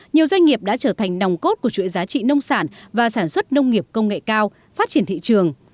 nhiều doanh nghiệp đã trở thành nòng cốt của chuỗi giá trị nông sản và sản xuất nông nghiệp công nghệ cao phát triển thị trường